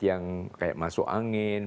yang kayak masuk angin